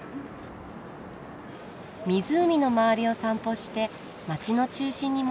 湖の周りを散歩して街の中心に戻ってきた。